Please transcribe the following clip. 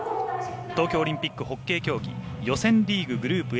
東京オリンピックホッケー競技予選リーググループＡ